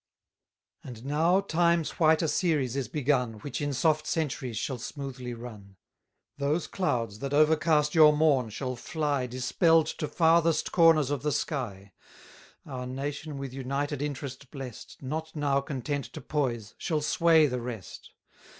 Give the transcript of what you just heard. And now Time's whiter series is begun, Which in soft centuries shall smoothly run: Those clouds, that overcast your morn, shall fly, Dispell'd to farthest corners of the sky. Our nation with united interest blest, Not now content to poise, shall sway the rest.